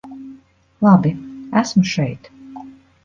Labi, esmu šeit.